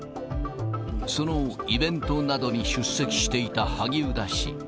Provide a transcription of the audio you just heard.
そのイベントなどに出席していた萩生田氏。